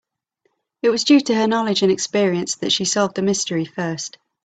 It was due to her knowledge and experience that she solved the mystery first.